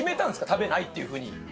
食べないっていうふうに。